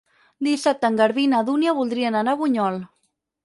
Dissabte en Garbí i na Dúnia voldrien anar a Bunyol.